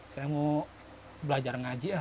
saya mau belajar ngaji ya